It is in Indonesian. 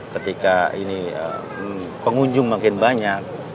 ketika ini pengunjung makin banyak